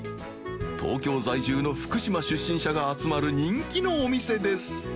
東京在住の福島出身者が集まる人気のお店です